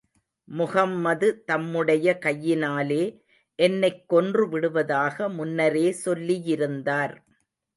முஹம்மது தம்முடைய கையினாலே என்னைக் கொன்று விடுவதாக முன்னரே சொல்லியிருந்தார்.